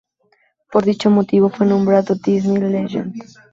Por dicho motivo, fue nombrado Disney Legend.